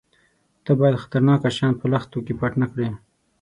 _ته بايد خطرناکه شيان په لښتو کې پټ نه کړې.